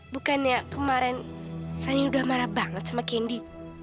bukannya kemarin rani udah marah banget sama candy